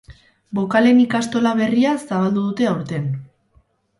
Bokalen ikastola berria zabaldu dute aurten.